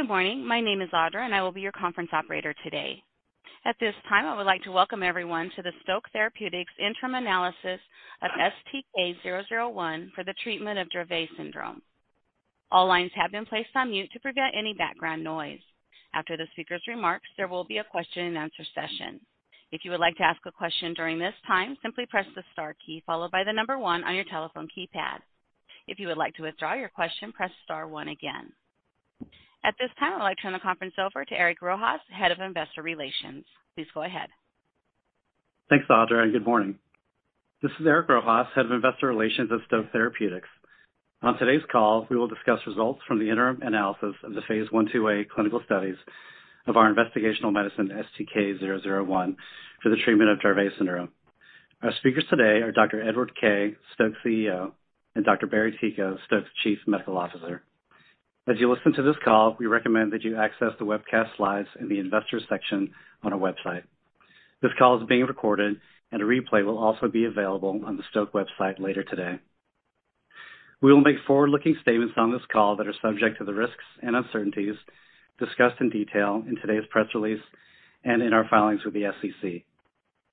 Good morning. My name is Audra, and I will be your conference operator today. At this time, I would like to welcome everyone to the Stoke Therapeutics Interim Analysis of STK-001 for the treatment of Dravet syndrome. All lines have been placed on mute to prevent any background noise. After the speaker's remarks, there will be a question and answer session. If you would like to ask a question during this time, simply press the star key followed by the number one on your telephone keypad. If you would like to withdraw your question, press star one again. At this time, I'd like to turn the conference over to Eric Rojas, Head of Investor Relations. Please go ahead. Thanks, Audra, and good morning. This is Eric Rojas, Head of Investor Relations at Stoke Therapeutics. On today's call, we will discuss results from the interim analysis of the phase I/2a clinical studies of our investigational medicine, STK-001, for the treatment of Dravet syndrome. Our speakers today are Dr. Edward Kaye, Stoke's CEO, and Dr. Barry Ticho, Stoke's Chief Medical Officer. As you listen to this call, we recommend that you access the webcast slides in the Investors section on our website. This call is being recorded, and a replay will also be available on the Stoke website later today. We will make forward-looking statements on this call that are subject to the risks and uncertainties discussed in detail in today's press release and in our filings with the SEC.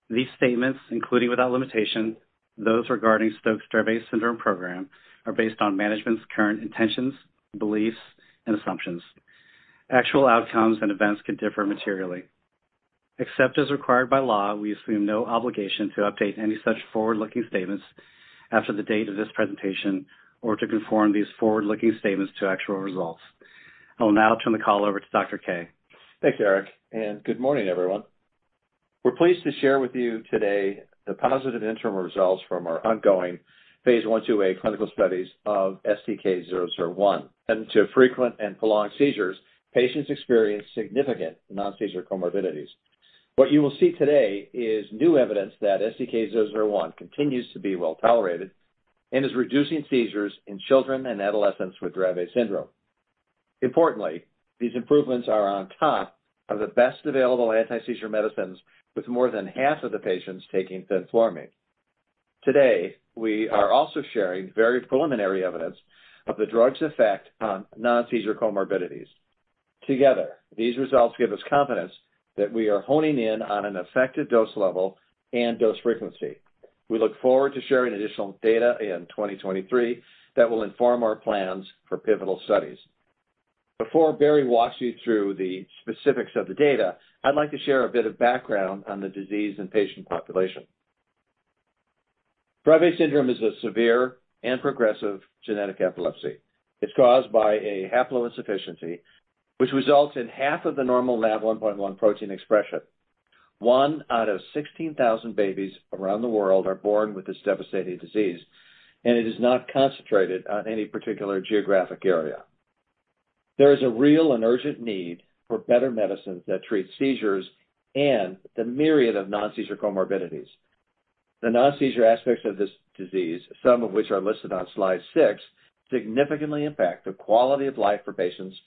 These statements, including without limitation those regarding Stoke's Dravet syndrome program, are based on management's current intentions, beliefs, and assumptions. Actual outcomes and events could differ materially. Except as required by law, we assume no obligation to update any such forward-looking statements after the date of this presentation or to conform these forward-looking statements to actual results. I will now turn the call over to Dr. Kaye. Thanks, Eric, and good morning, everyone. We're pleased to share with you today the positive interim results from our ongoing phase I/2a clinical studies of STK-001. In addition to frequent and prolonged seizures, patients experience significant non-seizure comorbidities. What you will see today is new evidence that STK-001 continues to be well-tolerated and is reducing seizures in children and adolescents with Dravet syndrome. Importantly, these improvements are on top of the best available anti-seizure medicines, with more than half of the patients taking fenfluramine. Today, we are also sharing very preliminary evidence of the drug's effect on non-seizure comorbidities. Together, these results give us confidence that we are honing in on an effective dose level and dose frequency. We look forward to sharing additional data in 2023 that will inform our plans for pivotal studies. Before Barry walks you through the specifics of the data, I'd like to share a bit of background on the disease and patient population. Dravet syndrome is a severe and progressive genetic epilepsy. It's caused by a haploinsufficiency which results in half of the normal NAV1.1 protein expression. One out of 16,000 babies around the world are born with this devastating disease, and it is not concentrated on any particular geographic area. There is a real and urgent need for better medicines that treat seizures and the myriad of non-seizure comorbidities. The non-seizure aspects of this disease, some of which are listed on slide six, significantly impact the quality of life for patients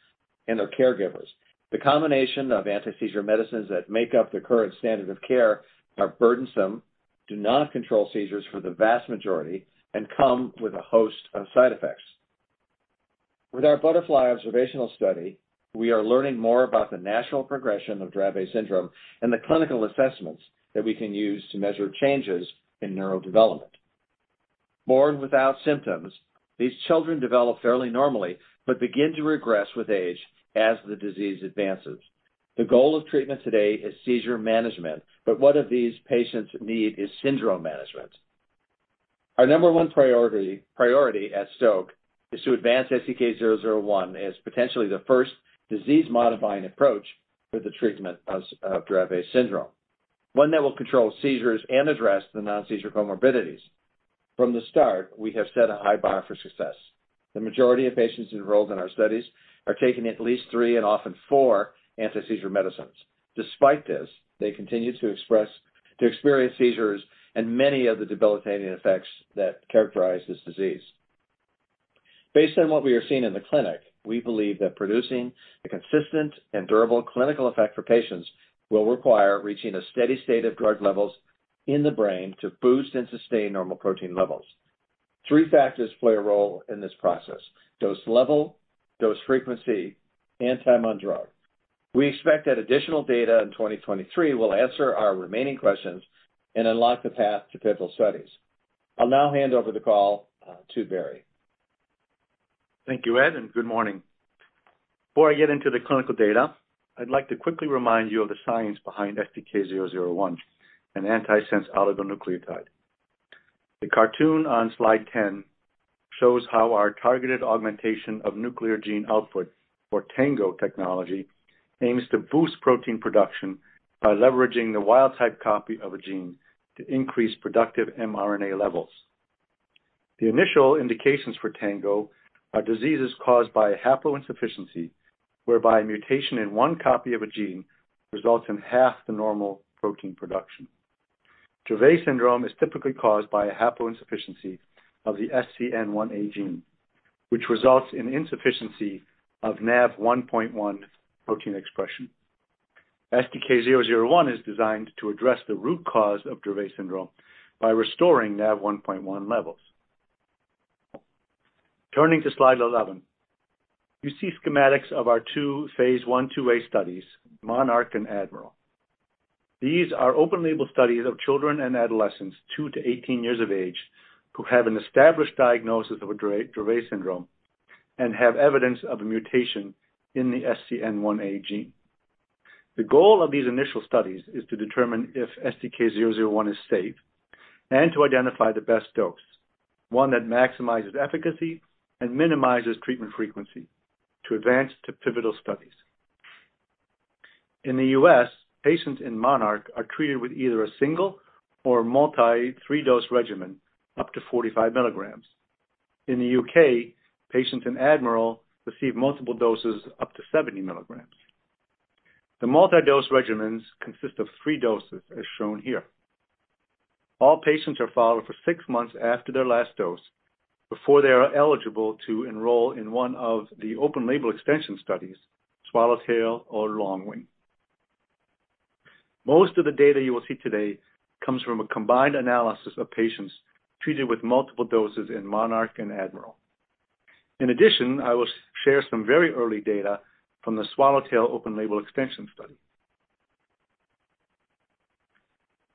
and their caregivers. The combination of anti-seizure medicines that make up the current standard of care are burdensome, do not control seizures for the vast majority, and come with a host of side effects. With our BUTTERFLY observational study, we are learning more about the natural progression of Dravet syndrome and the clinical assessments that we can use to measure changes in neurodevelopment. Born without symptoms, these children develop fairly normally but begin to regress with age as the disease advances. The goal of treatment today is seizure management, but what if these patients need is syndrome management? Our number one priority at Stoke is to advance STK-001 as potentially the first disease-modifying approach for the treatment of Dravet syndrome, one that will control seizures and address the non-seizure comorbidities. From the start, we have set a high bar for success. The majority of patients enrolled in our studies are taking at least three and often four anti-seizure medicines. Despite this, they continue to experience seizures and many of the debilitating effects that characterize this disease. Based on what we are seeing in the clinic, we believe that producing a consistent and durable clinical effect for patients will require reaching a steady state of drug levels in the brain to boost and sustain normal protein levels. Three factors play a role in this process. Dose level, dose frequency, and time on drug. We expect that additional data in 2023 will answer our remaining questions and unlock the path to pivotal studies. I'll now hand over the call to Barry. Thank you, Ed, and good morning. Before I get into the clinical data, I'd like to quickly remind you of the science behind STK-001, an antisense oligonucleotide. The cartoon on slide 10 shows how our targeted augmentation of nuclear gene output for TANGO technology aims to boost protein production by leveraging the wild-type copy of a gene to increase productive mRNA levels. The initial indications for TANGO are diseases caused by haploinsufficiency, whereby a mutation in one copy of a gene results in half the normal protein production. Dravet syndrome is typically caused by a haploinsufficiency of the SCN1A gene, which results in insufficiency of NAV1.1 protein expression. STK-001 is designed to address the root cause of Dravet syndrome by restoring NAV1.1 levels. Turning to slide 11. You see schematics of our two phase I/IIa studies, MONARCH and ADMIRAL. These are open-label studies of children and adolescents two to 18 years of age who have an established diagnosis of Dravet syndrome and have evidence of a mutation in the SCN1A gene. The goal of these initial studies is to determine if STK-001 is safe and to identify the best dose, one that maximizes efficacy and minimizes treatment frequency to advance to pivotal studies. In the U.S., patients in MONARCH are treated with either a single or multi three-dose regimen up to 45 mg. In the U.K., patients in ADMIRAL receive multiple doses up to 70 mg. The multi-dose regimens consist of three doses as shown here. All patients are followed for six months after their last dose before they are eligible to enroll in one of the open-label extension studies, SWALLOWTAIL or LONGWING. Most of the data you will see today comes from a combined analysis of patients treated with multiple doses in MONARCH and ADMIRAL. In addition, I will share some very early data from the SWALLOWTAIL open-label extension study.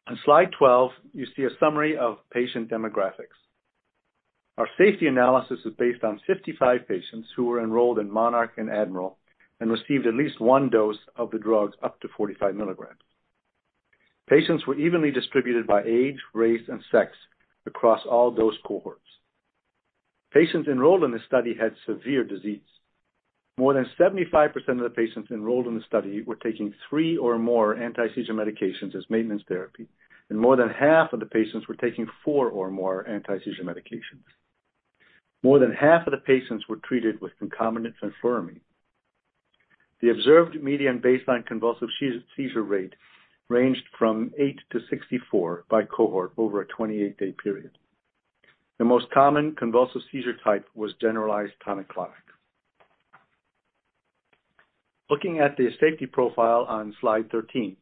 On slide 12, you see a summary of patient demographics. Our safety analysis is based on 55 patients who were enrolled in MONARCH and ADMIRAL and received at least one dose of the drug up to 45 mg. Patients were evenly distributed by age, race, and sex across all dose cohorts. Patients enrolled in this study had severe disease. More than 75% of the patients enrolled in the study were taking three or more anti-seizure medications as maintenance therapy, and more than half of the patients were taking four or more anti-seizure medications. More than half of the patients were treated with concomitant fenfluramine. The observed median baseline convulsive seizure rate ranged from eight to 64 by cohort over a 28-day period. The most common convulsive seizure type was generalized tonic-clonic. Looking at the safety profile on slide 13.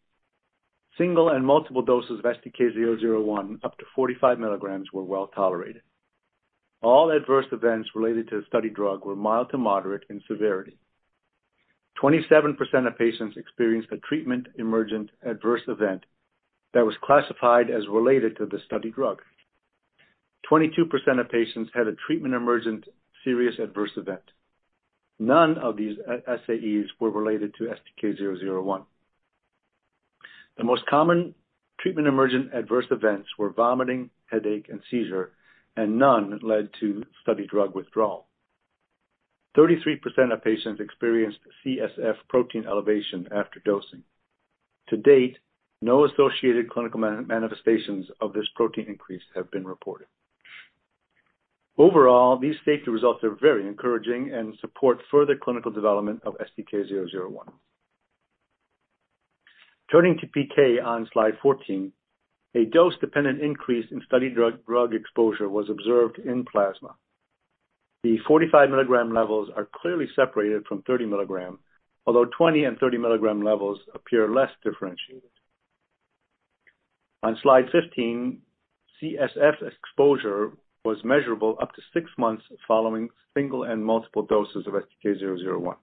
Single and multiple doses of STK-001 up to 45 mg were well-tolerated. All adverse events related to the study drug were mild to moderate in severity. 27% of patients experienced a treatment emergent adverse event that was classified as related to the study drug. 22% of patients had a treatment emergent serious adverse event. None of these SAEs were related to STK-001. The most common treatment emergent adverse events were vomiting, headache, and seizure, and none led to study drug withdrawal. 33% of patients experienced CSF protein elevation after dosing. To date, no associated clinical manifestations of this protein increase have been reported. Overall, these safety results are very encouraging and support further clinical development of STK-001. Turning to PK on slide 14. A dose-dependent increase in study drug exposure was observed in plasma. The 45 mg levels are clearly separated from 30 mg, although 20 and 30 mg levels appear less differentiated. On slide 15, CSF exposure was measurable up to six months following single and multiple doses of STK-001,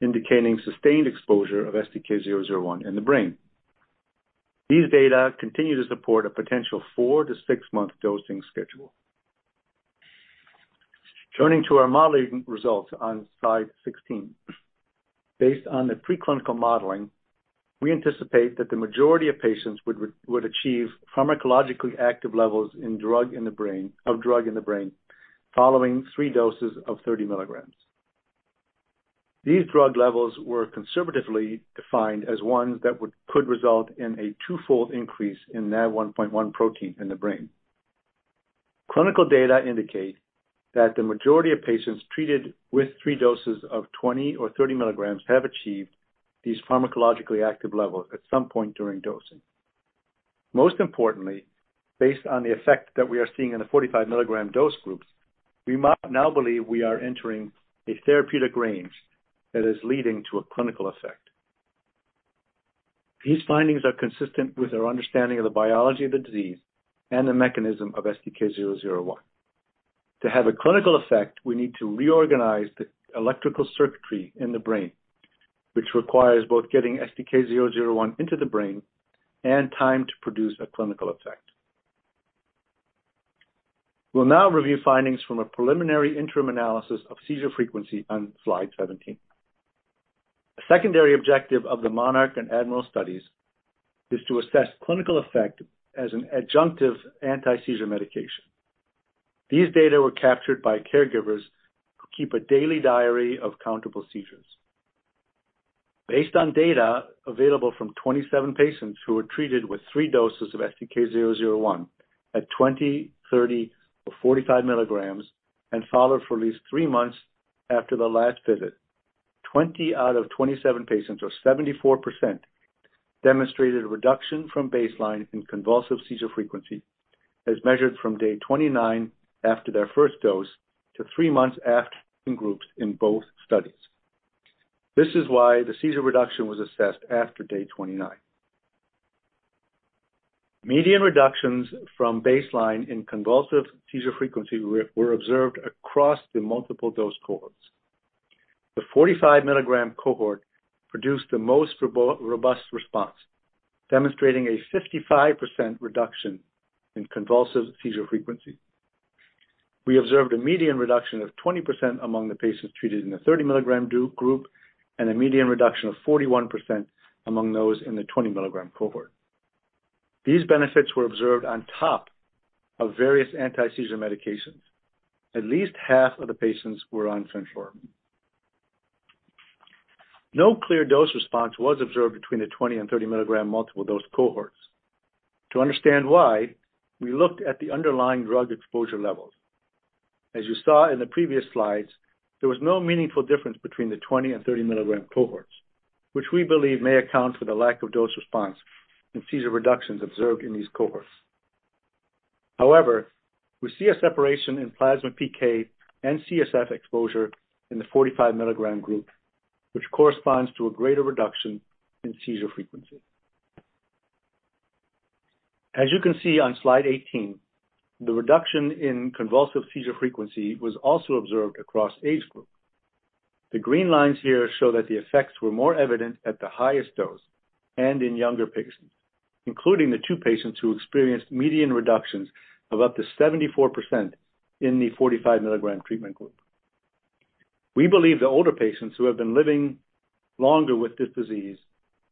indicating sustained exposure of STK-001 in the brain. These data continue to support a potential four to six-month dosing schedule. Turning to our modeling results on slide 16. Based on the preclinical modeling, we anticipate that the majority of patients would achieve pharmacologically active levels of drug in the brain following three doses of 30 mg. These drug levels were conservatively defined as ones that could result in a twofold increase in NAV1.1 protein in the brain. Clinical data indicate that the majority of patients treated with three doses of 20 or 30 mg have achieved these pharmacologically active levels at some point during dosing. Most importantly, based on the effect that we are seeing in the 45 mg dose groups, we now believe we are entering a therapeutic range that is leading to a clinical effect. These findings are consistent with our understanding of the biology of the disease and the mechanism of STK-001. To have a clinical effect, we need to reorganize the electrical circuitry in the brain, which requires both getting STK-001 into the brain and time to produce a clinical effect. We'll now review findings from a preliminary interim analysis of seizure frequency on slide 17. A secondary objective of the MONARCH and ADMIRAL studies is to assess clinical effect as an adjunctive anti-seizure medication. These data were captured by caregivers who keep a daily diary of countable seizures. Based on data available from 27 patients who were treated with three doses of STK-001 at 20, 30, or 45 mg and followed for at least three months after the last visit, 20 out of 27 patients, or 74%, demonstrated a reduction from baseline in convulsive seizure frequency as measured from day 29 after their first dose to three months after in groups in both studies. This is why the seizure reduction was assessed after day 29. Median reductions from baseline in convulsive seizure frequency were observed across the multiple dose cohorts. The 45 mg cohort produced the most robust response, demonstrating a 55% reduction in convulsive seizure frequency. We observed a median reduction of 20% among the patients treated in the 30 mg group, and a median reduction of 41% among those in the 20 mg cohort. These benefits were observed on top of various anti-seizure medications. At least half of the patients were on fenfluramine. No clear dose response was observed between the 20 and 30 mg multiple dose cohorts. To understand why, we looked at the underlying drug exposure levels. As you saw in the previous slides, there was no meaningful difference between the 20 and 30 mg cohorts, which we believe may account for the lack of dose response in seizure reductions observed in these cohorts. However, we see a separation in plasma PK and CSF exposure in the 45 mg group, which corresponds to a greater reduction in seizure frequency. As you can see on slide 18, the reduction in convulsive seizure frequency was also observed across age group. The green lines here show that the effects were more evident at the highest dose and in younger patients, including the two patients who experienced median reductions of up to 74% in the 45 mg treatment group. We believe the older patients who have been living longer with this disease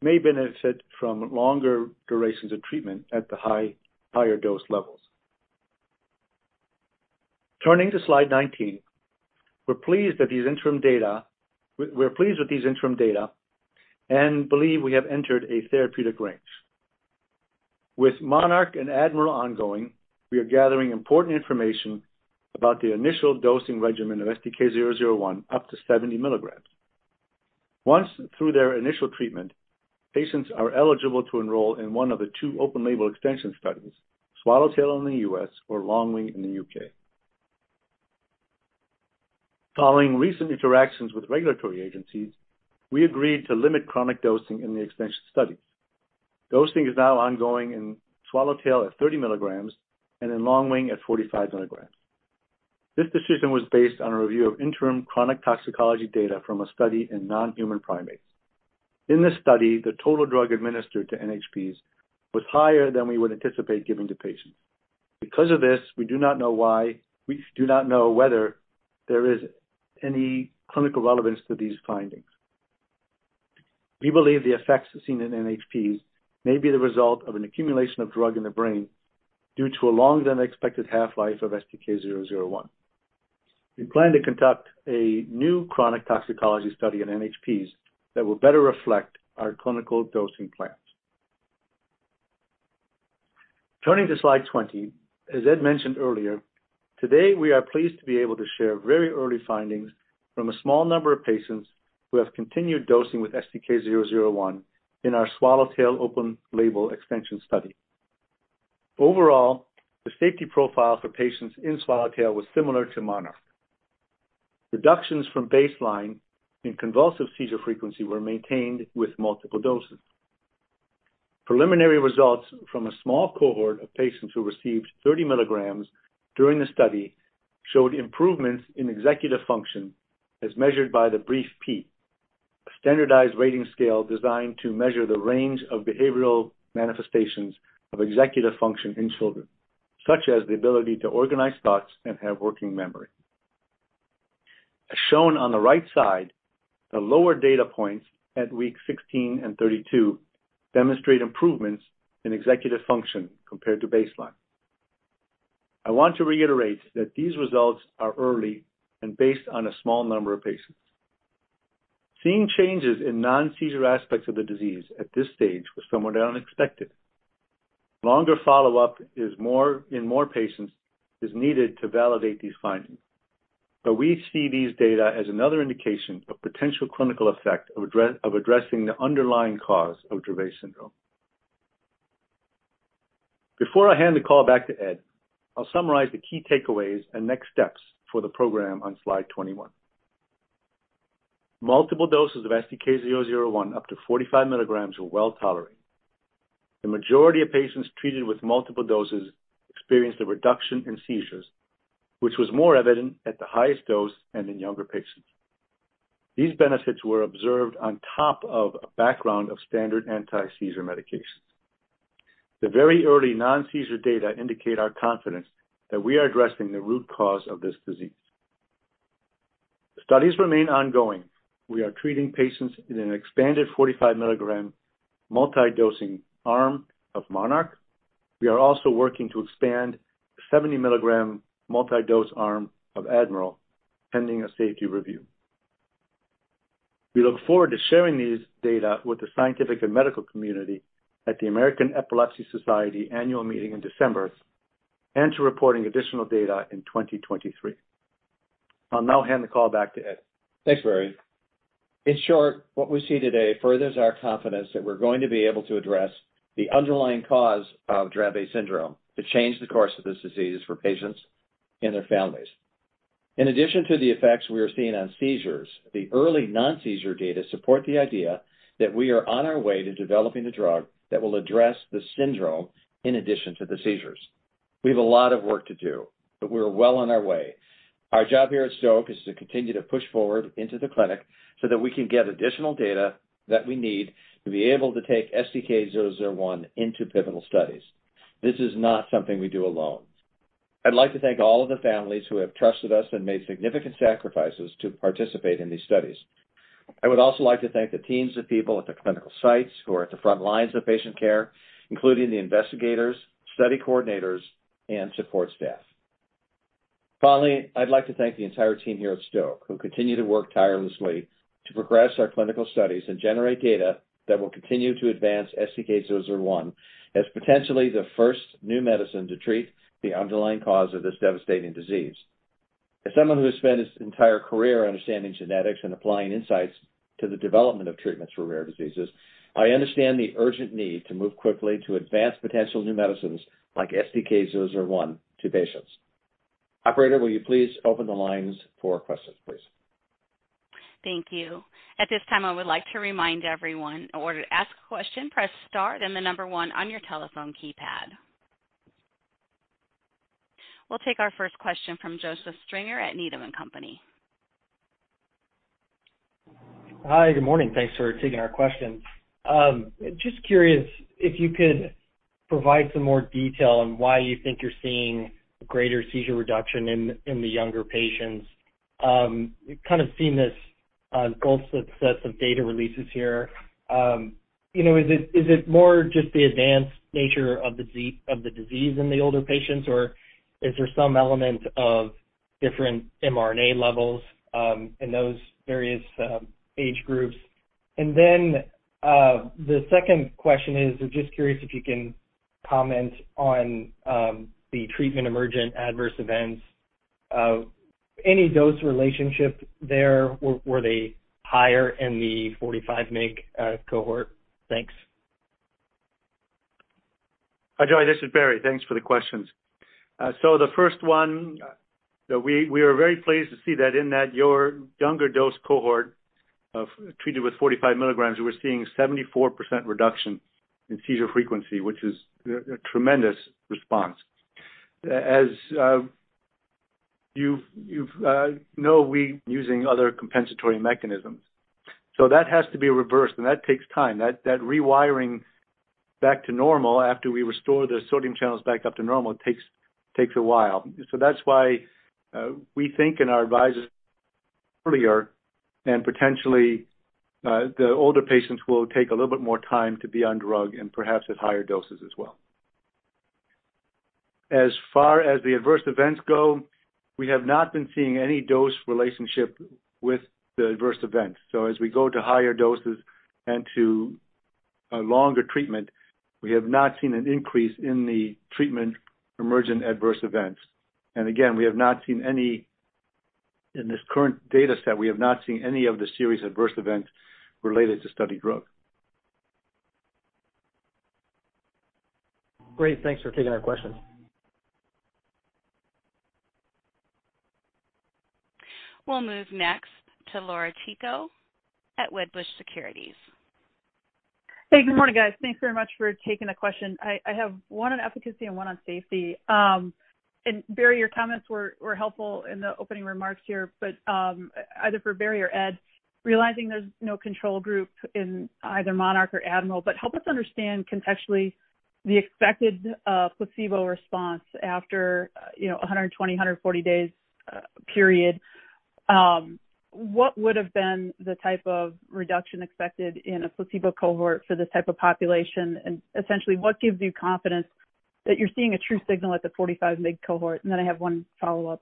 may benefit from longer durations of treatment at the higher dose levels. Turning to slide 19. We're pleased with these interim data and believe we have entered a therapeutic range. With MONARCH and ADMIRAL ongoing, we are gathering important information about the initial dosing regimen of STK-001 up to 70 mg. Once through their initial treatment, patients are eligible to enroll in one of the two open label extension studies, SWALLOWTAIL in the U.S. or LONGWING in the U.K. Following recent interactions with regulatory agencies, we agreed to limit chronic dosing in the extension studies. Dosing is now ongoing in SWALLOWTAIL at 30 mg and in LONGWING at 45 mg. This decision was based on a review of interim chronic toxicology data from a study in non-human primates. In this study, the total drug administered to NHPs was higher than we would anticipate giving to patients. Because of this, we do not know whether there is any clinical relevance to these findings. We believe the effects seen in NHPs may be the result of an accumulation of drug in the brain due to a longer-than-expected half-life of STK-001. We plan to conduct a new chronic toxicology study in NHPs that will better reflect our clinical dosing plans. Turning to slide 20. As Ed mentioned earlier, today we are pleased to be able to share very early findings from a small number of patients who have continued dosing with STK-001 in our SWALLOWTAIL open label extension study. Overall, the safety profile for patients in SWALLOWTAIL was similar to MONARCH. Reductions from baseline in convulsive seizure frequency were maintained with multiple doses. Preliminary results from a small cohort of patients who received 30 mg during the study showed improvements in executive function as measured by the BRIEF-P, a standardized rating scale designed to measure the range of behavioral manifestations of executive function in children, such as the ability to organize thoughts and have working memory. As shown on the right side, the lower data points at week 16 and 32 demonstrate improvements in executive function compared to baseline. I want to reiterate that these results are early and based on a small number of patients. Seeing changes in non-seizure aspects of the disease at this stage was somewhat unexpected. Longer follow-up in more patients is needed to validate these findings, but we see these data as another indication of potential clinical effect of addressing the underlying cause of Dravet syndrome. Before I hand the call back to Ed, I'll summarize the key takeaways and next steps for the program on slide 21. Multiple doses of STK-001 up to 45 mg were well-tolerated. The majority of patients treated with multiple doses experienced a reduction in seizures, which was more evident at the highest dose and in younger patients. These benefits were observed on top of a background of standard anti-seizure medications. The very early non-seizure data indicate our confidence that we are addressing the root cause of this disease. The studies remain ongoing. We are treating patients in an expanded 45 mg multi-dosing arm of MONARCH. We are also working to expand the 70 mg multi-dose arm of ADMIRAL, pending a safety review. We look forward to sharing these data with the scientific and medical community at the American Epilepsy Society annual meeting in December, and to reporting additional data in 2023. I'll now hand the call back to Ed. Thanks, Barry. In short, what we see today furthers our confidence that we're going to be able to address the underlying cause of Dravet syndrome to change the course of this disease for patients and their families. In addition to the effects we are seeing on seizures, the early non-seizure data support the idea that we are on our way to developing a drug that will address the syndrome in addition to the seizures. We have a lot of work to do, but we're well on our way. Our job here at Stoke is to continue to push forward into the clinic so that we can get additional data that we need to be able to take STK-001 into pivotal studies. This is not something we do alone. I'd like to thank all of the families who have trusted us and made significant sacrifices to participate in these studies. I would also like to thank the teams of people at the clinical sites who are at the front lines of patient care, including the investigators, study coordinators, and support staff. Finally, I'd like to thank the entire team here at Stoke who continue to work tirelessly to progress our clinical studies and generate data that will continue to advance STK-001 as potentially the first new medicine to treat the underlying cause of this devastating disease. As someone who has spent his entire career understanding genetics and applying insights to the development of treatments for rare diseases, I understand the urgent need to move quickly to advance potential new medicines like STK-001 to patients. Operator, will you please open the lines for questions? Thank you. At this time, I would like to remind everyone, in order to ask a question, press star then the number one on your telephone keypad. We'll take our first question from Joseph Stringer at Needham & Company. Hi. Good morning. Thanks for taking our question. Just curious if you could provide some more detail on why you think you're seeing greater seizure reduction in the younger patients. We've kind of seen this gulfs of sets of data releases here. You know, is it more just the advanced nature of the disease in the older patients, or is there some element of different mRNA levels in those various age groups? The second question is just curious if you can comment on the treatment-emergent adverse events. Any dose relationship there, were they higher in the 45 mg cohort? Thanks. Hi, Joseph. This is Barry Ticho. Thanks for the questions. The first one, we are very pleased to see that in the younger dose cohort treated with 45 mg, we're seeing 74% reduction in seizure frequency, which is a tremendous response. You know we using other compensatory mechanisms. That has to be reversed, and that takes time. That rewiring back to normal after we restore the sodium channels back up to normal takes a while. That's why we think as our advisors earlier and potentially the older patients will take a little bit more time to be on drug and perhaps at higher doses as well. As far as the adverse events go, we have not been seeing any dose relationship with the adverse events. As we go to higher doses and to a longer treatment, we have not seen an increase in the treatment-emergent adverse events. Again, we have not seen any. In this current dataset, we have not seen any of the serious adverse events related to study drug. Great. Thanks for taking our questions. We'll move next to Laura Chico at Wedbush Securities. Hey. Good morning, guys. Thanks very much for taking the question. I have one on efficacy and one on safety. Barry, your comments were helpful in the opening remarks here, but either for Barry or Ed, realizing there's no control group in either MONARCH or ADMIRAL, but help us understand contextually the expected placebo response after you know 120-140 days period. What would have been the type of reduction expected in a placebo cohort for this type of population? And essentially, what gives you confidence that you're seeing a true signal at the 45 mg cohort? And then I have one follow-up.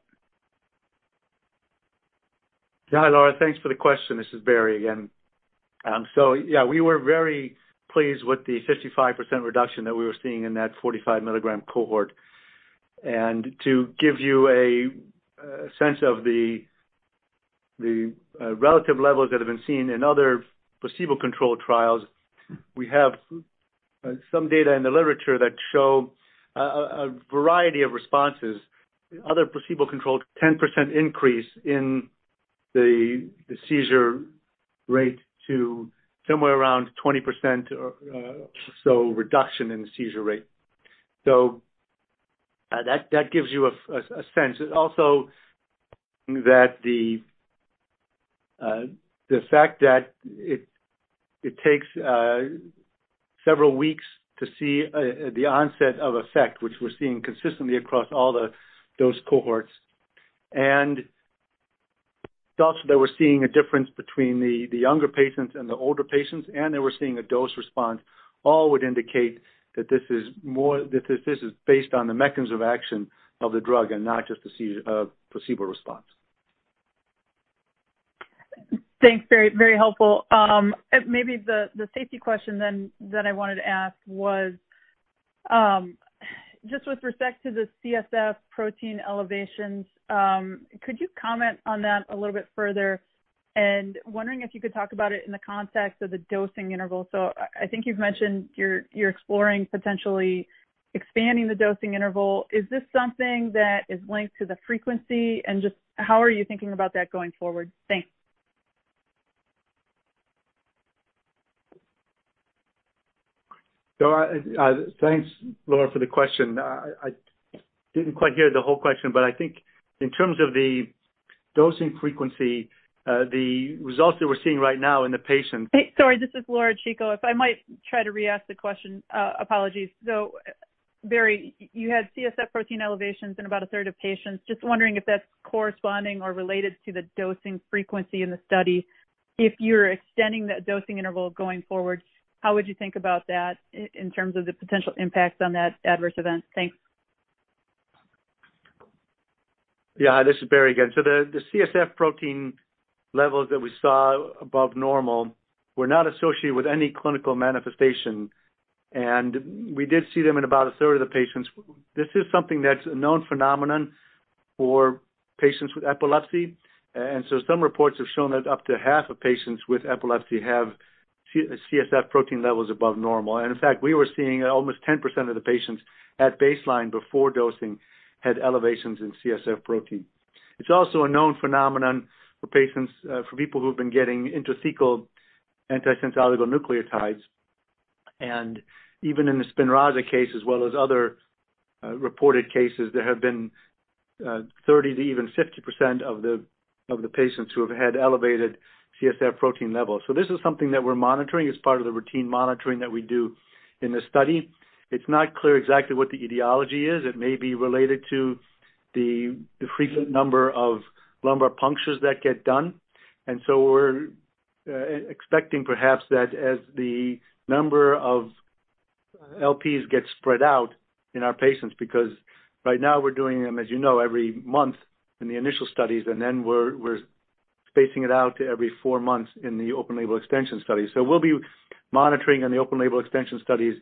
Yeah. Laura, thanks for the question. This is Barry again. We were very pleased with the 55% reduction that we were seeing in that 45 mg cohort. To give you a sense of the relative levels that have been seen in other placebo-controlled trials, we have some data in the literature that show a variety of responses. Other placebo-controlled 10% increase in the seizure rate to somewhere around 20% or so reduction in the seizure rate. That gives you a sense. Also, that the fact that it takes several weeks to see the onset of effect, which we're seeing consistently across all the dose cohorts, and that we're seeing a difference between the younger patients and the older patients, and that we're seeing a dose response, all would indicate that this is, that this is based on the mechanisms of action of the drug and not just a placebo response. Thanks, Barry. Very helpful. Maybe the safety question then that I wanted to ask was, just with respect to the CSF protein elevations, could you comment on that a little bit further? Wondering if you could talk about it in the context of the dosing interval. I think you've mentioned you're exploring potentially expanding the dosing interval. Is this something that is linked to the frequency? Just how are you thinking about that going forward? Thanks. Thanks, Laura, for the question. I didn't quite hear the whole question, but I think in terms of the dosing frequency, the results that we're seeing right now in the patients. Sorry, this is Laura Chico. If I might try to re-ask the question, apologies. Barry, you had CSF protein elevations in about a third of patients. Just wondering if that's corresponding or related to the dosing frequency in the study. If you're extending that dosing interval going forward, how would you think about that in terms of the potential impacts on that adverse event? Thanks. Yeah, this is Barry again. The CSF protein levels that we saw above normal were not associated with any clinical manifestation, and we did see them in about a third of the patients. This is something that's a known phenomenon for patients with epilepsy. Some reports have shown that up to half of patients with epilepsy have CSF protein levels above normal. In fact, we were seeing almost 10% of the patients at baseline before dosing had elevations in CSF protein. It's also a known phenomenon for patients, for people who have been getting intracerebral antisense oligonucleotides. Even in the Spinraza case, as well as other reported cases, there have been 30% to even 50% of the patients who have had elevated CSF protein levels. This is something that we're monitoring as part of the routine monitoring that we do in this study. It's not clear exactly what the etiology is. It may be related to the frequent number of lumbar punctures that get done. We're expecting perhaps that as the number of LPs get spread out in our patients, because right now we're doing them, as you know, every month in the initial studies, and then we're spacing it out to every four months in the open-label extension study. We'll be monitoring in the open-label extension studies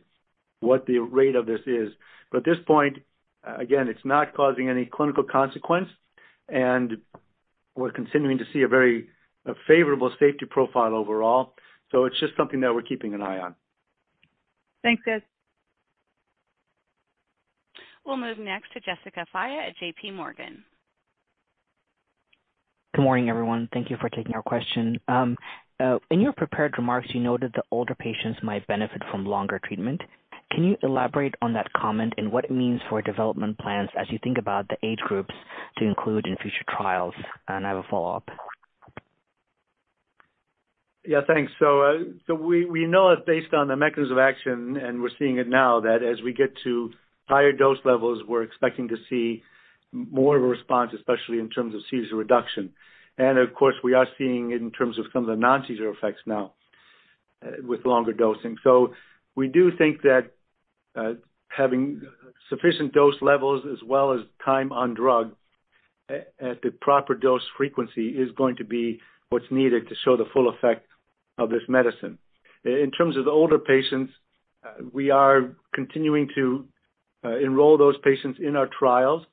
what the rate of this is. At this point, again, it's not causing any clinical consequence, and we're continuing to see a very favorable safety profile overall. It's just something that we're keeping an eye on. Thanks, guys. We'll move next to Jessica Fye at JPMorgan. Good morning, everyone. Thank you for taking our question. In your prepared remarks, you noted that older patients might benefit from longer treatment. Can you elaborate on that comment and what it means for development plans as you think about the age groups to include in future trials? I have a follow-up. Yeah, thanks. We know that based on the mechanism of action, and we're seeing it now, that as we get to higher dose levels, we're expecting to see more of a response, especially in terms of seizure reduction. Of course, we are seeing it in terms of some of the non-seizure effects now, with longer dosing. We do think that having sufficient dose levels as well as time on drug at the proper dose frequency is going to be what's needed to show the full effect of this medicine. In terms of the older patients, we are continuing to enroll those patients in our trials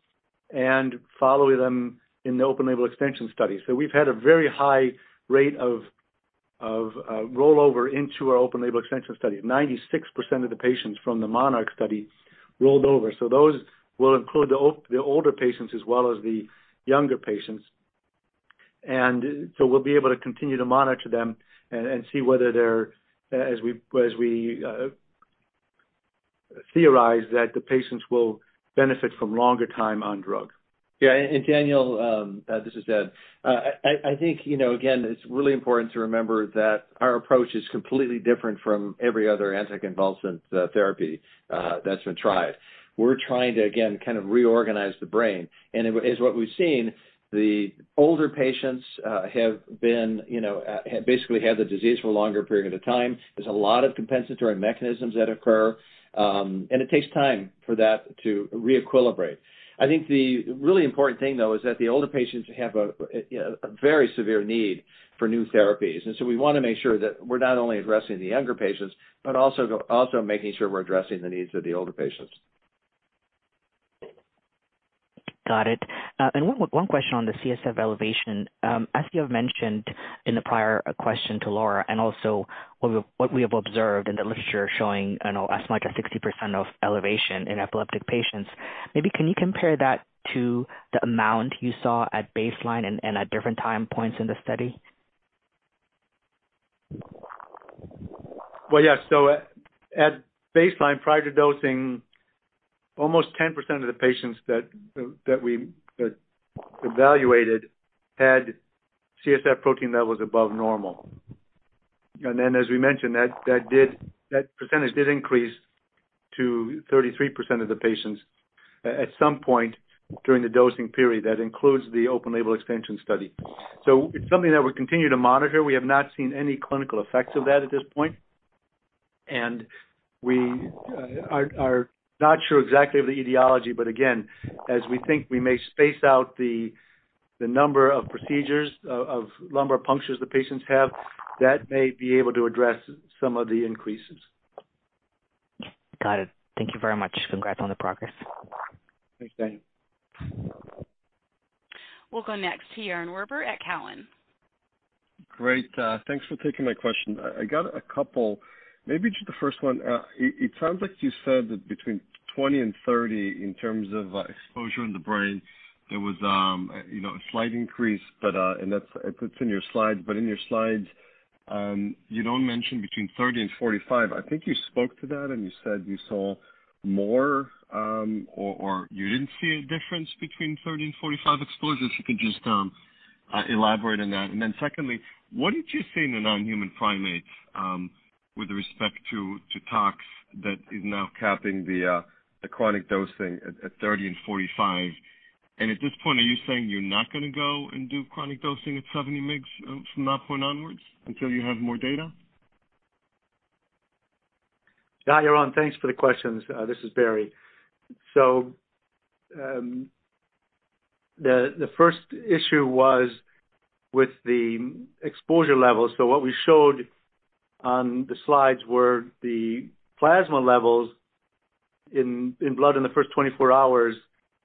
and follow them in the open-label extension study. We've had a very high rate of rollover into our open-label expansion study. 96% of the patients from the MONARCH study rolled over. Those will include the older patients as well as the younger patients. We'll be able to continue to monitor them and see whether they're as we theorize that the patients will benefit from longer time on drug. Yeah. Jessica, this is Ed. I think, you know, again, it's really important to remember that our approach is completely different from every other anticonvulsant therapy that's been tried. We're trying to, again, kind of reorganize the brain. As what we've seen, the older patients have been, you know, basically had the disease for a longer period of time. There's a lot of compensatory mechanisms that occur, and it takes time for that to re-equilibrate. I think the really important thing, though, is that the older patients have a very severe need for new therapies. We want to make sure that we're not only addressing the younger patients, but also making sure we're addressing the needs of the older patients. Got it. One question on the CSF elevation. As you have mentioned in the prior question to Laura, and also what we have observed in the literature showing, you know, as much as 60% elevation in epileptic patients. Maybe can you compare that to the amount you saw at baseline and at different time points in the study? Well, yeah. At baseline, prior to dosing, almost 10% of the patients that we evaluated had CSF protein levels above normal. Then, as we mentioned, that percentage did increase to 33% of the patients at some point during the dosing period. That includes the open-label expansion study. It's something that we continue to monitor. We have not seen any clinical effects of that at this point, and we are not sure exactly of the etiology. Again, as we think we may space out the number of procedures of lumbar punctures the patients have, that may be able to address some of the increases. Got it. Thank you very much. Congrats on the progress. Thanks, Jessica Fye. We'll go next to Yaron Werber at Cowen. Great. Thanks for taking my question. I got a couple. Maybe just the first one. It sounds like you said that between 20 and 30 in terms of exposure in the brain, there was you know a slight increase, but and that's it's in your slides. In your slides you don't mention between 30 and 45. I think you spoke to that, and you said you saw more or you didn't see a difference between 30 and 45 exposures. If you could just elaborate on that. And then secondly, what did you see in the non-human primates with respect to tox that is now capping the chronic dosing at 30 and 45? At this point, are you saying you're not gonna go and do chronic dosing at 70 mgs from that point onwards until you have more data? Yeah, Yaron. Thanks for the questions. This is Barry. The first issue was with the exposure levels. What we showed on the slides were the plasma levels in blood in the first 24 hours,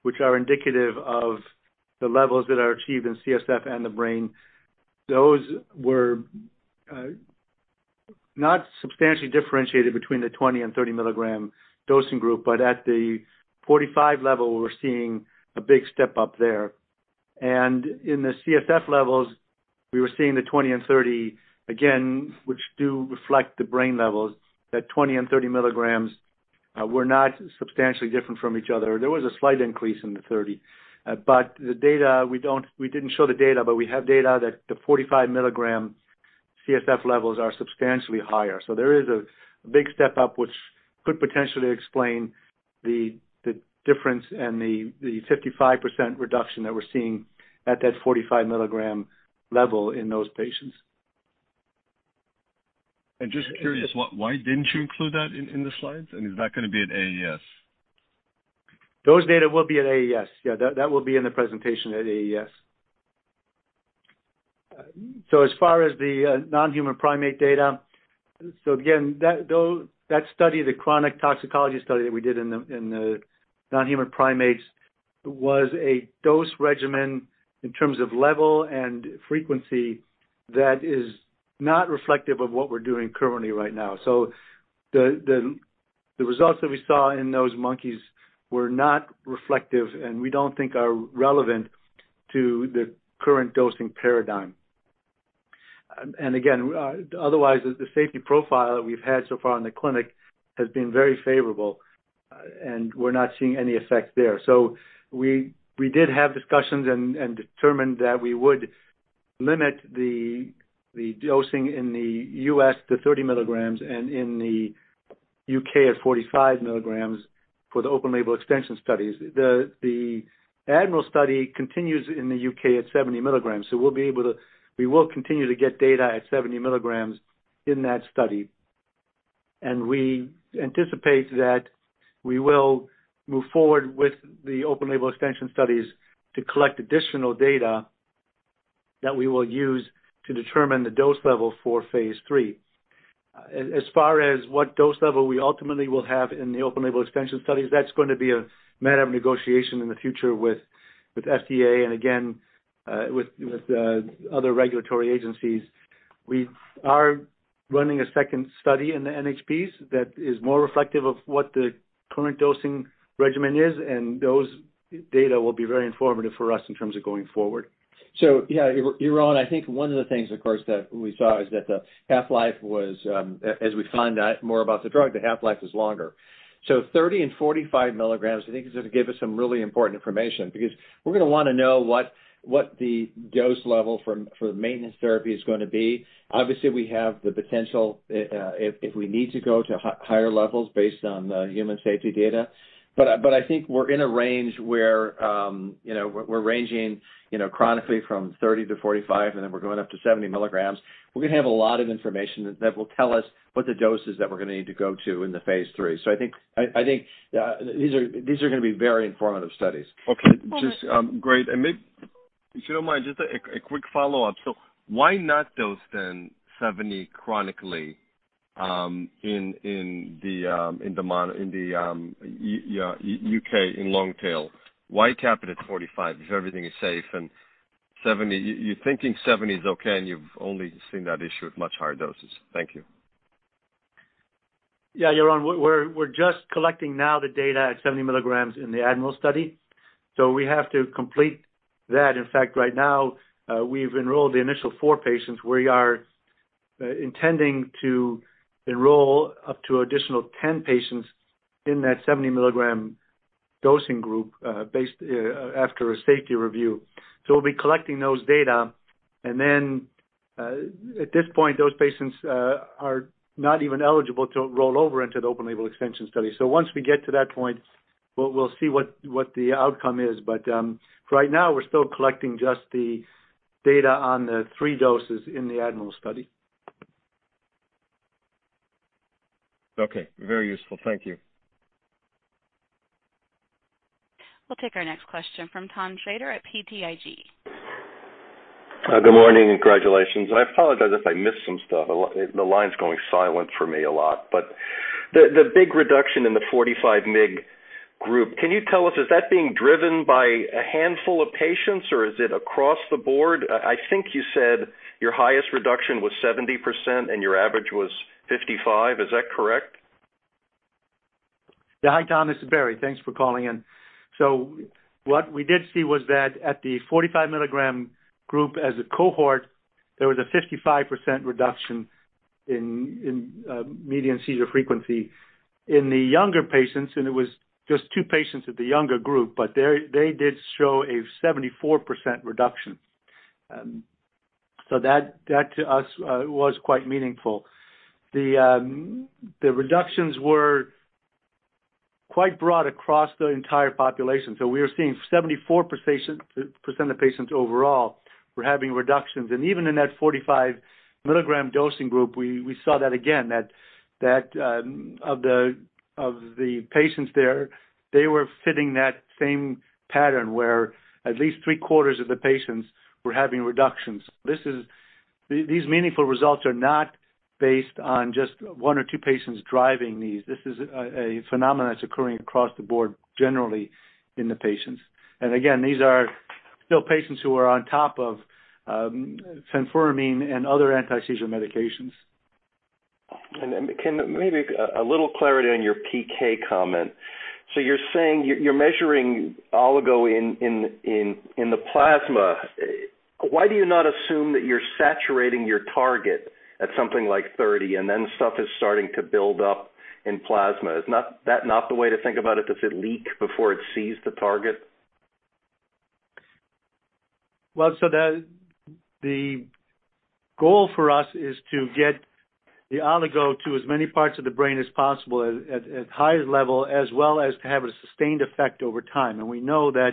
which are indicative of the levels that are achieved in CSF and the brain. Those were not substantially differentiated between the 20- and 30-mg dosing group, but at the 45 level, we're seeing a big step up there. In the CSF levels, we were seeing the 20 and 30, again, which do reflect the brain levels, that 20 and 30 mg were not substantially different from each other. There was a slight increase in the 30. But the data, we didn't show the data, but we have data that the 45 mg CSF levels are substantially higher. there is a big step up, which could potentially explain the difference and the 55% reduction that we're seeing at that 45 mg level in those patients. Just curious, why didn't you include that in the slides? Is that gonna be at AES? Those data will be at AES. That will be in the presentation at AES. As far as the non-human primate data. Again, that study, the chronic toxicology study that we did in the non-human primates was a dose regimen in terms of level and frequency that is not reflective of what we're doing currently right now. The results that we saw in those monkeys were not reflective, and we don't think are relevant to the current dosing paradigm. Otherwise, the safety profile that we've had so far in the clinic has been very favorable, and we're not seeing any effects there. We did have discussions and determined that we would limit the dosing in the U.S. to 30 mg and in the U.K. at 45 mg for the open label extension studies. The ADMIRAL study continues in the U.K. at 70 mg. We will continue to get data at 70 mg in that study. We anticipate that we will move forward with the open label extension studies to collect additional data that we will use to determine the dose level for phase III. As far as what dose level we ultimately will have in the open label extension studies, that's gonna be a matter of negotiation in the future with FDA and again with other regulatory agencies. We are running a second study in the NHPs that is more reflective of what the current dosing regimen is, and those data will be very informative for us in terms of going forward. Yeah, Yaron, I think one of the things, of course, that we saw is that the half-life was, as we find out more about the drug, the half-life is longer. 30 and 45 mg I think is gonna give us some really important information because we're gonna wanna know what the dose level for maintenance therapy is gonna be. Obviously, we have the potential, if we need to go to higher levels based on the human safety data. But I think we're in a range where, you know, we're ranging, you know, chronically from 30 to 45, and then we're going up to 70 mg. We're gonna have a lot of information that will tell us what the doses that we're gonna need to go to in the phase III. I think these are gonna be very informative studies. Okay. Just great. If you don't mind, just a quick follow-up. Why not dose them 70 chronically in the MONARCH in the U.K. in LONGWING? Why cap it at 45 if everything is safe and 70? You're thinking 70 is okay, and you've only seen that issue with much higher doses. Thank you. Yeah, Yaron. We're just collecting now the data at 70 mg in the ADMIRAL study. We have to complete that. In fact, right now, we've enrolled the initial four patients. We are intending to enroll up to additional 10 patients in that 70 mg dosing group, based after a safety review. We'll be collecting those data. Then, at this point, those patients are not even eligible to roll over into the open-label extension study. Once we get to that point, we'll see what the outcome is. Right now we're still collecting just the data on the three doses in the ADMIRAL study. Okay. Very useful. Thank you. We'll take our next question from Thomas Shrader at BTIG. Good morning, and congratulations. I apologize if I missed some stuff. The line's going silent for me a lot. The big reduction in the 45 mg group, can you tell us, is that being driven by a handful of patients, or is it across the board? I think you said your highest reduction was 70% and your average was 55%. Is that correct? Yeah. Hi, Tom. This is Barry. Thanks for calling in. What we did see was that at the 45 mg group as a cohort, there was a 55% reduction in median seizure frequency. In the younger patients, and it was just two patients at the younger group, but they did show a 74% reduction. That to us was quite meaningful. The reductions were quite broad across the entire population. We were seeing 74% of patients overall were having reductions. Even in that 45 mg dosing group, we saw that again. That of the patients there, they were fitting that same pattern where at least three-quarters of the patients were having reductions. These meaningful results are not based on just one or two patients driving these. This is a phenomenon that's occurring across the board generally in the patients. These are still patients who are on top of fenfluramine and other anti-seizure medications. Can maybe a little clarity on your PK comment. So you're saying you're measuring oligo in the plasma. Why do you not assume that you're saturating your target at something like 30 and then stuff is starting to build up in plasma? Isn't that the way to think about it? Does it leak before it sees the target? The goal for us is to get the oligo to as many parts of the brain as possible at highest level, as well as to have a sustained effect over time. We know that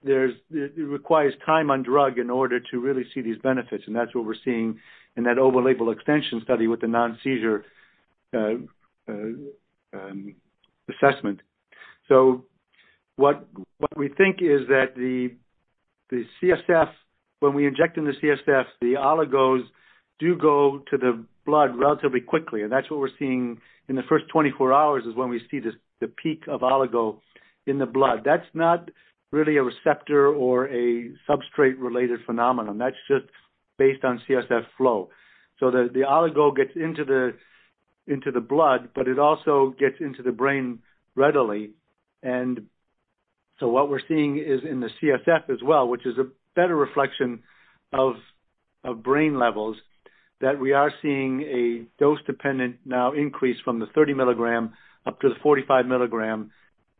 it requires time on drug in order to really see these benefits, and that's what we're seeing in that open-label extension study with the non-seizure assessment. What we think is that the CSF, when we inject in the CSF, the oligos do go to the blood relatively quickly. That's what we're seeing in the first 24 hours is when we see this, the peak of oligo in the blood. That's not really a receptor or a substrate-related phenomenon. That's just based on CSF flow. The oligo gets into the blood, but it also gets into the brain readily. What we're seeing is in the CSF as well, which is a better reflection of brain levels, that we are seeing a dose-dependent now increase from the 30 mg up to the 45 mg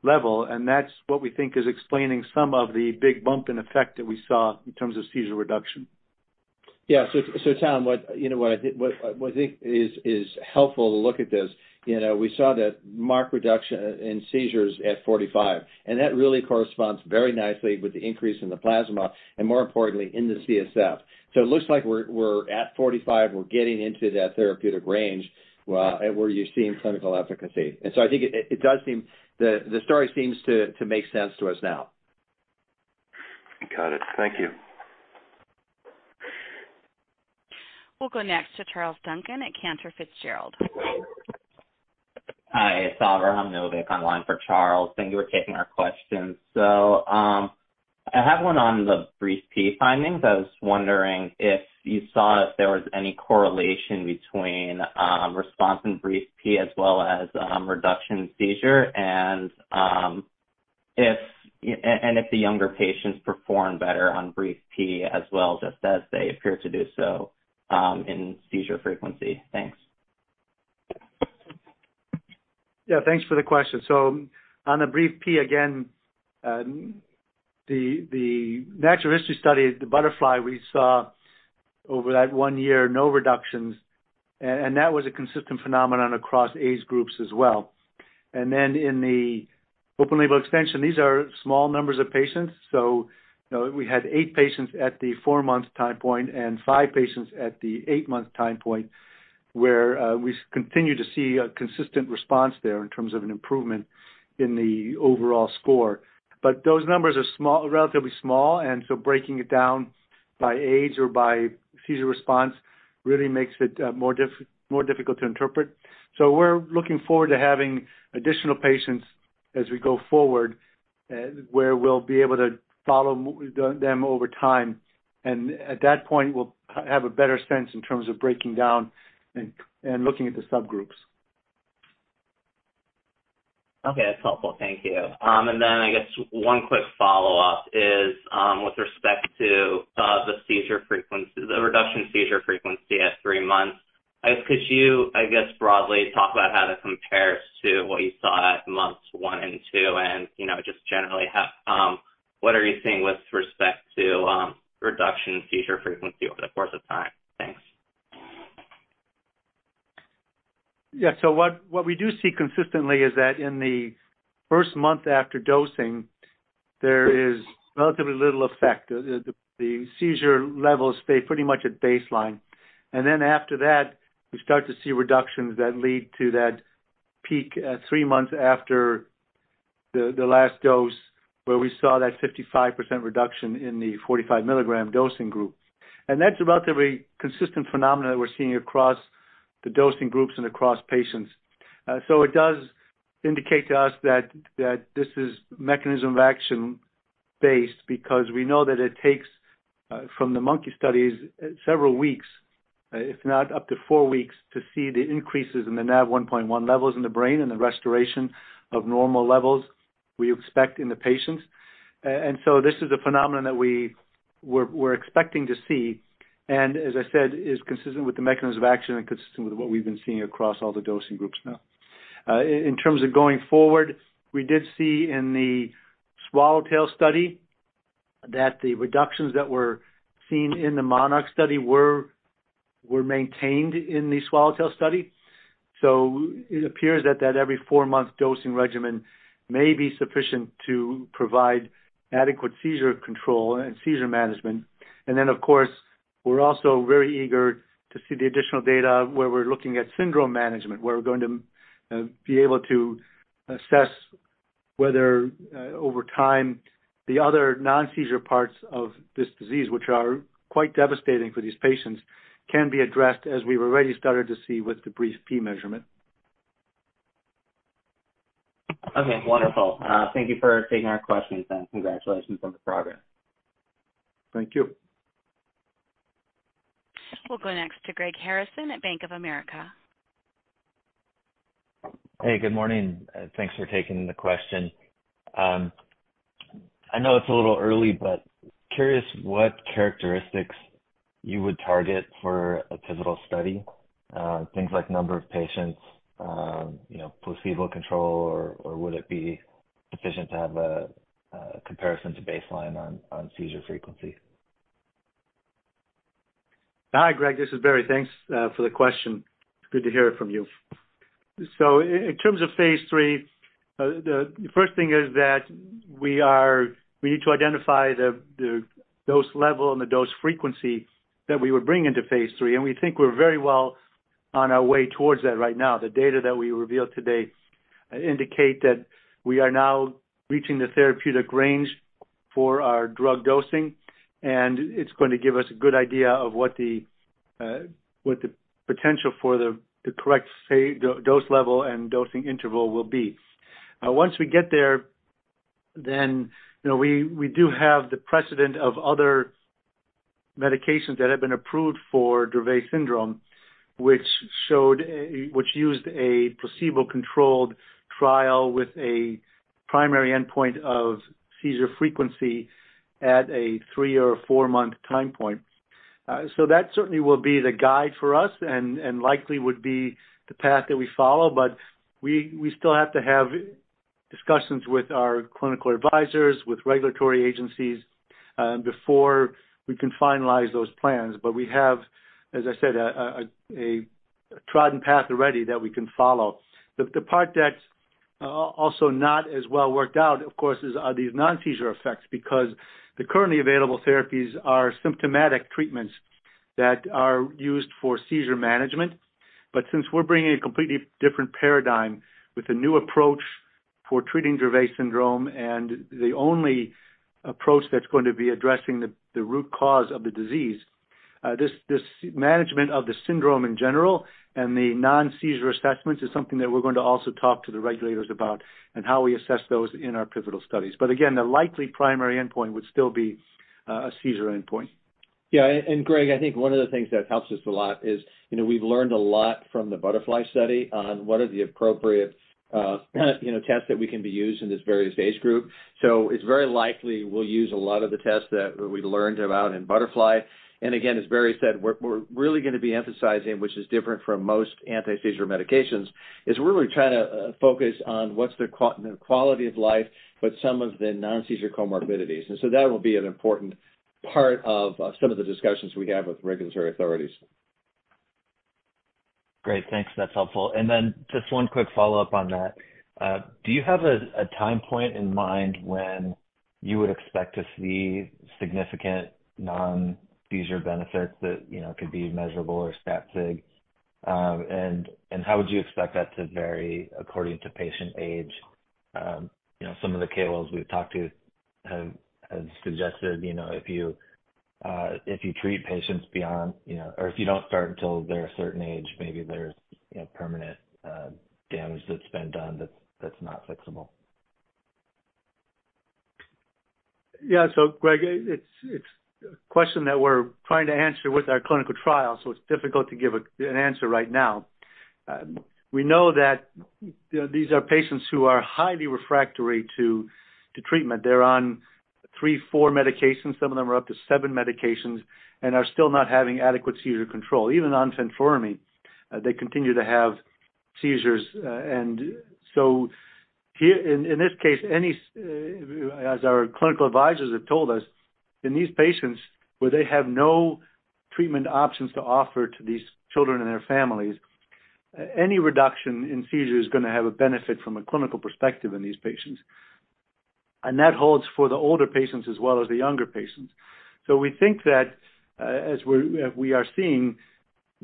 level, and that's what we think is explaining some of the big bump in effect that we saw in terms of seizure reduction. So Tom, what I think is helpful to look at this. You know, we saw that marked reduction in seizures at 45, and that really corresponds very nicely with the increase in the plasma and more importantly in the CSF. So it looks like we're at 45, we're getting into that therapeutic range, and where you're seeing clinical efficacy. I think it does seem the story seems to make sense to us now. Got it. Thank you. We'll go next to Charles Duncan at Cantor Fitzgerald. Hi, it's Oliver Homnick online for Charles. Thank you for taking our questions. I have one on the BRIEF-P findings. I was wondering if you saw if there was any correlation between response in BRIEF-P as well as reduction in seizure. If the younger patients perform better on BRIEF-P as well, just as they appear to do so in seizure frequency. Thanks. Yeah, thanks for the question. On the BRIEF-P, again, the natural history study, the BUTTERFLY we saw over that one year, no reductions. That was a consistent phenomenon across age groups as well. In the open-label extension, these are small numbers of patients. You know, we had eight patients at the four-month time point and five patients at the eight-month time point, where we continue to see a consistent response there in terms of an improvement in the overall score. Those numbers are small, relatively small, and so breaking it down by age or by seizure response really makes it more difficult to interpret. We're looking forward to having additional patients as we go forward, where we'll be able to follow them over time. At that point, we'll have a better sense in terms of breaking down and looking at the subgroups. Okay. That's helpful. Thank you. I guess one quick follow-up is, with respect to the seizure frequency, the reduction in seizure frequency at three months. I guess could you broadly talk about how that compares to what you saw at months one and two, and you know, just generally how what are you seeing with respect to reduction in seizure frequency over the course of time? Thanks. Yeah. What we do see consistently is that in the first month after dosing there is relatively little effect. The seizure levels stay pretty much at baseline. After that, we start to see reductions that lead to that peak at three months after the last dose, where we saw that 55% reduction in the 45 mg dosing group. That's a relatively consistent phenomenon that we're seeing across the dosing groups and across patients. It does indicate to us that this is mechanism of action based because we know that it takes from the monkey studies several weeks, if not up to four weeks, to see the increases in the NAV1.1 levels in the brain and the restoration of normal levels we expect in the patients. This is a phenomenon that we're expecting to see, and as I said, is consistent with the mechanism of action and consistent with what we've been seeing across all the dosing groups now. In terms of going forward, we did see in the SWALLOWTAIL study that the reductions that were seen in the MONARCH study were maintained in the SWALLOWTAIL study. It appears that every four-month dosing regimen may be sufficient to provide adequate seizure control and seizure management. Of course, we're also very eager to see the additional data where we're looking at syndrome management, where we're going to be able to assess whether, over time, the other non-seizure parts of this disease, which are quite devastating for these patients, can be addressed as we've already started to see with the BRIEF-P measurement. Okay, wonderful. Thank you for taking our questions, and congratulations on the progress. Thank you. We'll go next to Greg Harrison at Bank of America. Hey, good morning. Thanks for taking the question. I know it's a little early, but curious what characteristics you would target for a pivotal study. Things like number of patients, you know, placebo control, or would it be sufficient to have a comparison to baseline on seizure frequency? Hi, Greg. This is Barry. Thanks for the question. Good to hear from you. In terms of phase III, the first thing is that we need to identify the dose level and the dose frequency that we would bring into phase III, and we think we're very well on our way towards that right now. The data that we revealed today indicate that we are now reaching the therapeutic range for our drug dosing, and it's going to give us a good idea of what the potential for the correct dose level and dosing interval will be. Once we get there, then, you know, we do have the precedent of other medications that have been approved for Dravet syndrome, which used a placebo-controlled trial with a primary endpoint of seizure frequency at a three or four-month time point. That certainly will be the guide for us and likely would be the path that we follow. We still have to have discussions with our clinical advisors, with regulatory agencies, before we can finalize those plans. We have, as I said, a trodden path already that we can follow. The part that's also not as well worked out, of course, is these non-seizure effects because the currently available therapies are symptomatic treatments that are used for seizure management. since we're bringing a completely different paradigm with a new approach for treating Dravet syndrome and the only approach that's going to be addressing the root cause of the disease, this management of the syndrome in general and the non-seizure assessments is something that we're going to also talk to the regulators about and how we assess those in our pivotal studies. again, the likely primary endpoint would still be a seizure endpoint. Greg, I think one of the things that helps us a lot is, you know, we've learned a lot from the BUTTERFLY study on what are the appropriate, you know, tests that can be used in this various age group. It's very likely we'll use a lot of the tests that we learned about in BUTTERFLY. Again, as Barry said, we're really going to be emphasizing, which is different from most anti-seizure medications, is we're really trying to focus on what's the quality of life, but some of the non-seizure comorbidities. That will be an important part of some of the discussions we have with regulatory authorities. Great. Thanks. That's helpful. Just one quick follow-up on that. Do you have a time point in mind when you would expect to see significant non-seizure benefits that, you know, could be measurable or stat sig? And how would you expect that to vary according to patient age? You know, some of the KOLs we've talked to have suggested, you know, if you treat patients beyond, you know, or if you don't start until they're a certain age, maybe there's, you know, permanent damage that's been done that's not fixable. Greg, it's a question that we're trying to answer with our clinical trial, so it's difficult to give an answer right now. We know that these are patients who are highly refractory to treatment. They're on three, four medications, some of them are up to seven medications and are still not having adequate seizure control. Even on fenfluramine, they continue to have seizures. In this case, as our clinical advisors have told us, in these patients where they have no treatment options to offer to these children and their families. Any reduction in seizure is going to have a benefit from a clinical perspective in these patients. That holds for the older patients as well as the younger patients. We think that, as we are seeing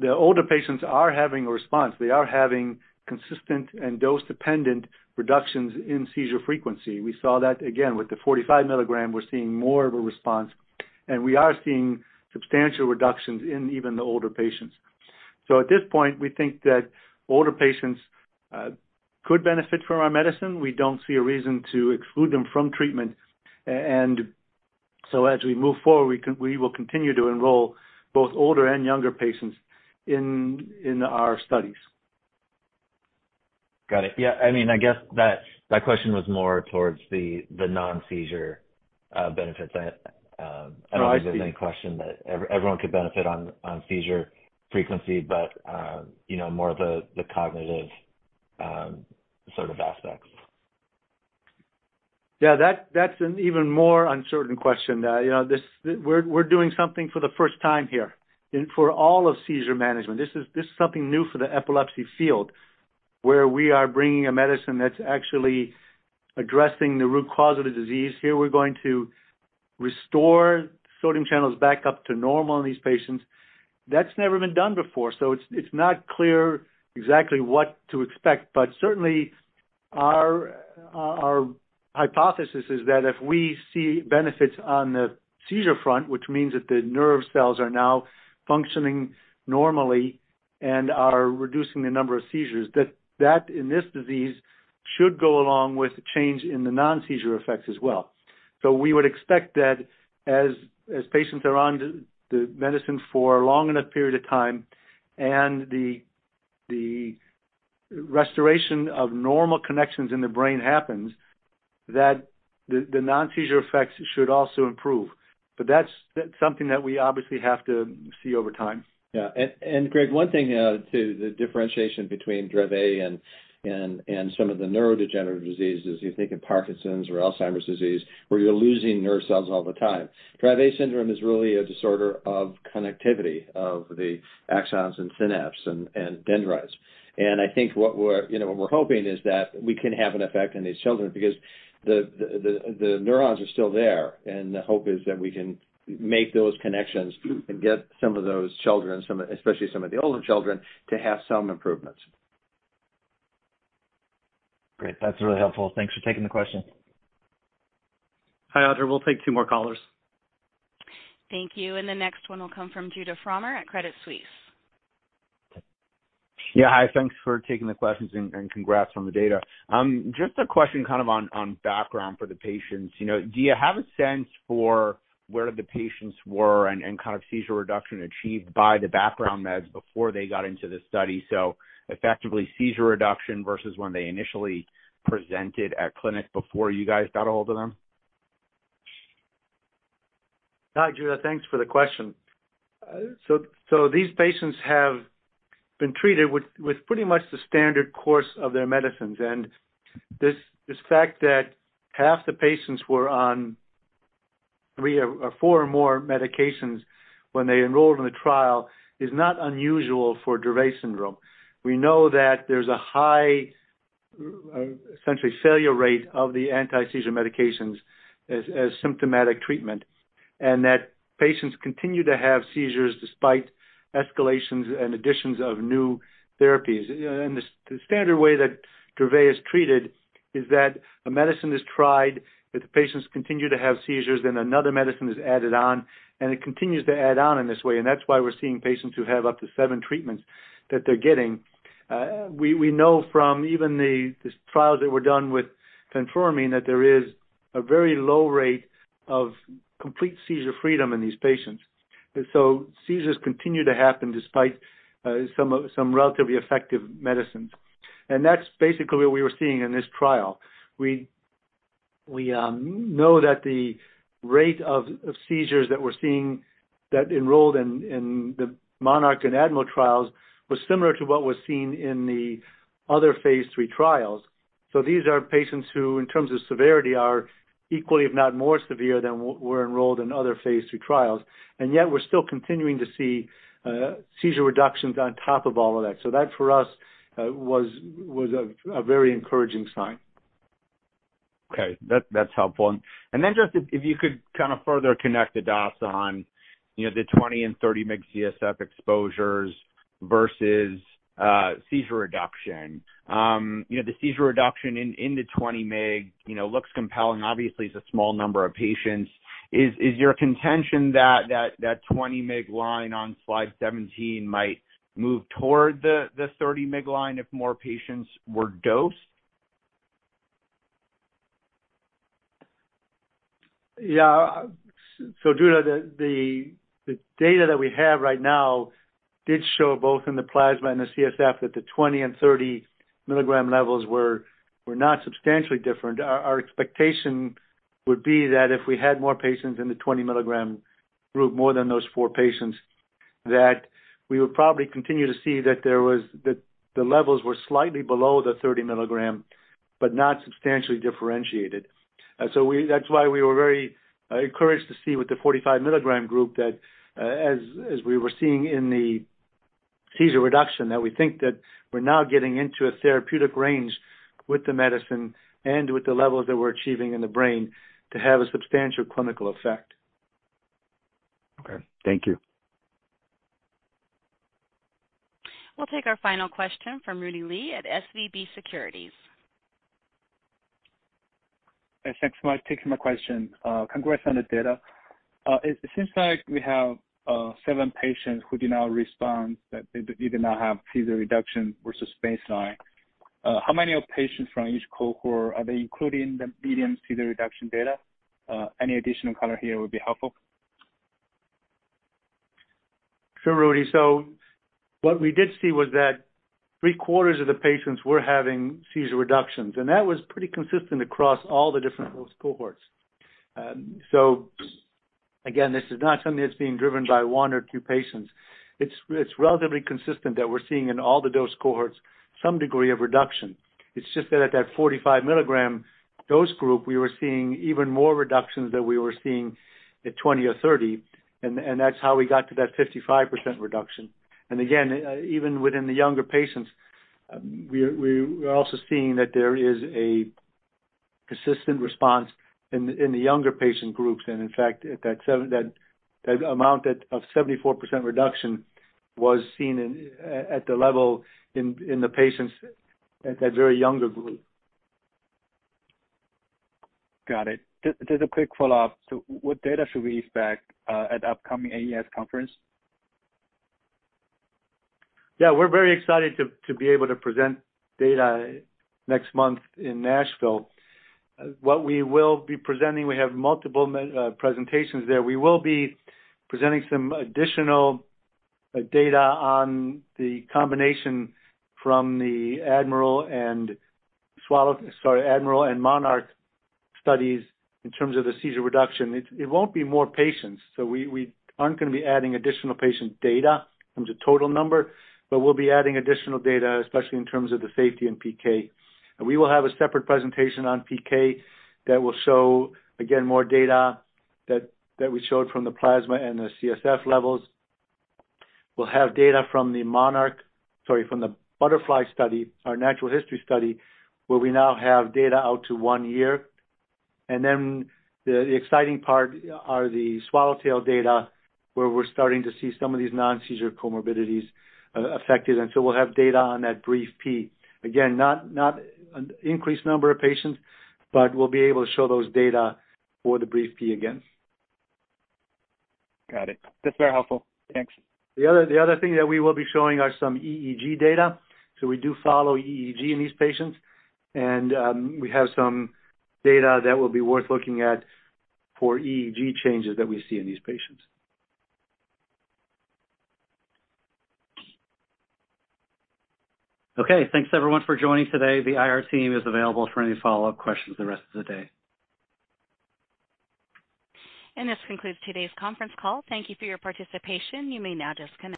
the older patients are having a response, they are having consistent and dose-dependent reductions in seizure frequency. We saw that again, with the 45 mg, we're seeing more of a response, and we are seeing substantial reductions in even the older patients. At this point, we think that older patients could benefit from our medicine. We don't see a reason to exclude them from treatment. As we move forward, we will continue to enroll both older and younger patients in our studies. Got it. Yeah. I mean, I guess that question was more towards the non-seizure benefits. Oh, I see. I don't think there's any question that everyone could benefit on seizure frequency, but you know, more of the cognitive sort of aspects. Yeah, that's an even more uncertain question. You know, we're doing something for the first time here and for all of seizure management. This is something new for the epilepsy field, where we are bringing a medicine that's actually addressing the root cause of the disease. Here, we're going to restore sodium channels back up to normal in these patients. That's never been done before. It's not clear exactly what to expect. Certainly, our hypothesis is that if we see benefits on the seizure front, which means that the nerve cells are now functioning normally and are reducing the number of seizures, that in this disease should go along with the change in the non-seizure effects as well. We would expect that as patients are on the medicine for a long enough period of time and the restoration of normal connections in the brain happens, that the non-seizure effects should also improve. That's something that we obviously have to see over time. Yeah. Greg, one thing to the differentiation between Dravet and some of the neurodegenerative diseases, you think of Parkinson's or Alzheimer's disease, where you're losing nerve cells all the time. Dravet syndrome is really a disorder of connectivity of the axons and synapse and dendrites. I think, you know, what we're hoping is that we can have an effect on these children because the neurons are still there, and the hope is that we can make those connections and get some of those children, especially some of the older children, to have some improvements. Great. That's really helpful. Thanks for taking the question. Hi, Audrey. We'll take two more callers. Thank you. The next one will come from Judah Frommer at Credit Suisse. Yeah. Hi, thanks for taking the questions and congrats on the data. Just a question kind of on background for the patients. You know, do you have a sense for where the patients were and kind of seizure reduction achieved by the background meds before they got into this study? So effectively, seizure reduction versus when they initially presented at clinic before you guys got a hold of them. Hi, Judah. Thanks for the question. These patients have been treated with pretty much the standard course of their medicines. This fact that half the patients were on three or four or more medications when they enrolled in the trial is not unusual for Dravet syndrome. We know that there's a high essentially failure rate of the anti-seizure medications as symptomatic treatment, and that patients continue to have seizures despite escalations and additions of new therapies. The standard way that Dravet is treated is that a medicine is tried, if the patients continue to have seizures, then another medicine is added on, and it continues to add on in this way. That's why we're seeing patients who have up to seven treatments that they're getting. We know from even the trials that were done with fenfluramine that there is a very low rate of complete seizure freedom in these patients. Seizures continue to happen despite some relatively effective medicines. That's basically what we were seeing in this trial. We know that the rate of seizures that we're seeing that enrolled in the MONARCH and ADMIRAL trials was similar to what was seen in the other phase III trials. These are patients who, in terms of severity, are equally, if not more severe than what were enrolled in other phase III trials. Yet we're still continuing to see seizure reductions on top of all of that. That for us was a very encouraging sign. That's helpful. If you could kind of further connect the dots on, you know, the 20 and 30 mg CSF exposures versus seizure reduction. You know, the seizure reduction in the 20 mg looks compelling. Obviously, it's a small number of patients. Is your contention that the 20 mg line on slide 17 might move toward the 30 mg line if more patients were dosed? Yeah. Judah, the data that we have right now did show both in the plasma and the CSF that the 20- and 30-mg levels were not substantially different. Our expectation would be that if we had more patients in the 20-mg group, more than those four patients, that we would probably continue to see that the levels were slightly below the 30-mg, but not substantially differentiated. That's why we were very encouraged to see with the 45-mg group that, as we were seeing in the seizure reduction, that we think that we're now getting into a therapeutic range with the medicine and with the levels that we're achieving in the brain to have a substantial clinical effect. Okay. Thank you. We'll take our final question from Rudy Lee at SVB Securities. Thanks so much for taking my question. Congrats on the data. It seems like we have seven patients who did not respond, that they did not have seizure reduction versus baseline. How many are patients from each cohort? Are they including the median seizure reduction data? Any additional color here would be helpful. Sure, Rudy. What we did see was that three-quarters of the patients were having seizure reductions, and that was pretty consistent across all the different dose cohorts. Again, this is not something that's being driven by one or two patients. It's relatively consistent that we're seeing in all the dose cohorts some degree of reduction. It's just that at that 45 mg dose group, we were seeing even more reductions than we were seeing at 20 or 30, and that's how we got to that 55% reduction. Again, even within the younger patients, we are also seeing that there is a consistent response in the younger patient groups. In fact, at that 74% reduction was seen in the patients at that very younger group. Got it. Just a quick follow-up. What data should we expect at upcoming AES conference? Yeah, we're very excited to be able to present data next month in Nashville. What we will be presenting, we have multiple presentations there. We will be presenting some additional data on the combination from the ADMIRAL and MONARCH studies in terms of the seizure reduction. It won't be more patients, so we aren't gonna be adding additional patient data from the total number, but we'll be adding additional data, especially in terms of the safety and PK. We will have a separate presentation on PK that will show, again, more data that we showed from the plasma and the CSF levels. We'll have data from the BUTTERFLY study, our natural history study, where we now have data out to one year. The exciting part are the Swallowtail data, where we're starting to see some of these non-seizure comorbidities affected, and so we'll have data on that BRIEF-P. Again, not an increased number of patients, but we'll be able to show those data for the BRIEF-P again. Got it. That's very helpful. Thanks. The other thing that we will be showing are some EEG data. We do follow EEG in these patients, and we have some data that will be worth looking at for EEG changes that we see in these patients. Okay. Thanks everyone for joining today. The IR team is available for any follow-up questions the rest of the day. This concludes today's conference call. Thank you for your participation. You may now disconnect.